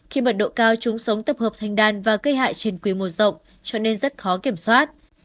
khi mật độ cao chúng sống tập hợp thành đàn và gây hại trên quy mô rộng cho nên rất khó kiểm soát